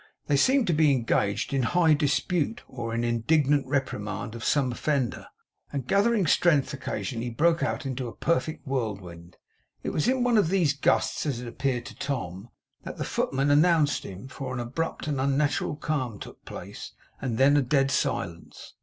They seemed to be engaged in high dispute, or in indignant reprimand of some offender; and gathering strength occasionally, broke out into a perfect whirlwind. It was in one of these gusts, as it appeared to Tom, that the footman announced him; for an abrupt and unnatural calm took place, and then a dead silence.